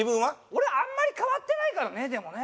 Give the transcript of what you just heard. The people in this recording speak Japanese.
俺あんまり変わってないからねでもね。